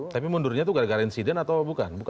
tapi mundurnya itu garansiden atau bukan